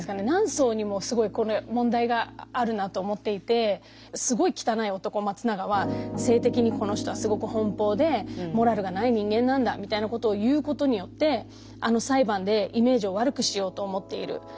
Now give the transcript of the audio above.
何層にもすごいこれ問題があるなと思っていてすごい汚い男松永は性的にこの人はすごく奔放でモラルがない人間なんだみたいなことを言うことによってあの裁判でイメージを悪くしようと思っている。